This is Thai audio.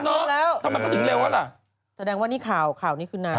หมอชอค่ะคุณสุเทพฯเดี๋ยวคนละดอยกันคนละดอยกัน